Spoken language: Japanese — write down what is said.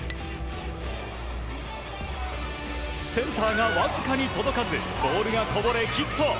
センターがわずかに届かずボールがこぼれ、ヒット。